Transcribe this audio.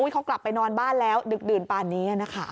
เขากลับไปนอนบ้านแล้วดึกดื่นป่านนี้นะคะ